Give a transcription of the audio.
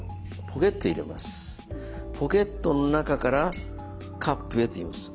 「ポケットの中からカップへ」と言います。